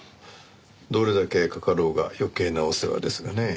どれだけかかろうが余計なお世話ですがねえ。